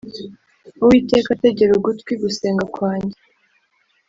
Uwiteka tegera ugutwi gusenga kwanjye